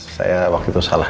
saya waktu itu salah